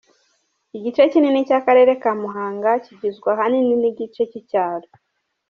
Igice kinini cy’akarere ka Muhanga kigizwe ahanini n’igice cy’icyaro.